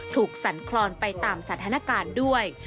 สั่นคลอนไปตามสถานการณ์ด้วย